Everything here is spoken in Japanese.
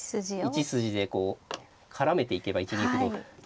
１筋でこう絡めていけば１二歩同香。